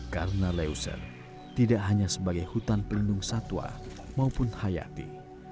karena leuser tidak hanya sebagai hutan perlindung satwa maupun hayati